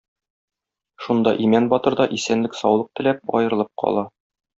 Шунда Имән батыр да, исәнлек-саулык теләп, аерылып кала.